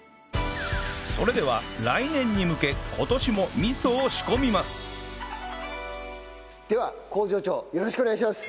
それでは来年に向け今年も味噌を仕込みますでは工場長よろしくお願いします。